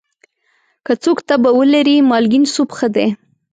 که څوک تبه ولري، مالګین سوپ ښه دی.